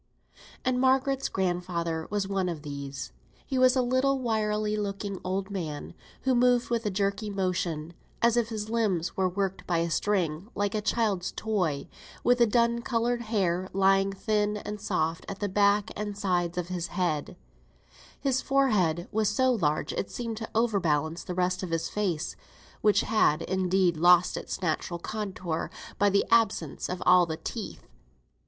And Margaret's grandfather was one of these. He was a little wiry looking old man, who moved with a jerking motion, as if his limbs were worked by a string like a child's toy, with dun coloured hair lying thin and soft at the back and sides of his head; his forehead was so large it seemed to overbalance the rest of his face, which had indeed lost its natural contour by the absence of all the teeth.